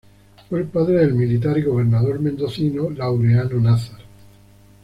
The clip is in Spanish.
Fue el padre del militar y gobernador mendocino Laureano Nazar.